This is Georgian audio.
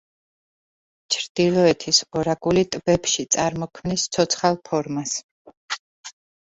ჩრდილოეთის ორაგული ტბებში წარმოქმნის ცოცხალ ფორმას.